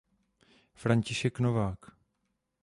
František Novák.